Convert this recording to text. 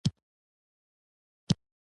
د منفي دود نښې دي